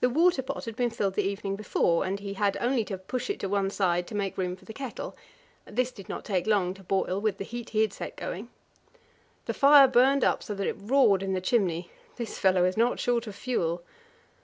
The water pot had been filled the evening before, and he had only to push it to one side to make room for the kettle, and this did not take long to boil with the heat he had set going. The fire burned up so that it roared in the chimney this fellow is not short of fuel.